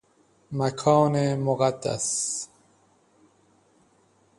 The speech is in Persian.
مکان مقدس